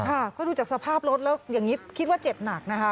ค่ะก็ดูจากสภาพรถแล้วอย่างนี้คิดว่าเจ็บหนักนะคะ